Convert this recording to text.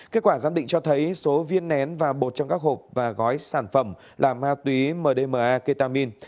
kết quả giám định cho thấy số viên nén và bột trong các hộp và gói sản phẩm là ma túy mdma ketamin